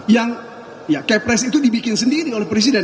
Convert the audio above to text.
yang ya kepres itu dibikin sendiri oleh presiden